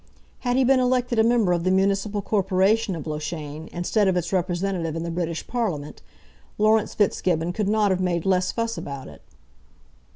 Had he been elected a member of the municipal corporation of Loughshane, instead of its representative in the British Parliament, Laurence Fitzgibbon could not have made less fuss about it.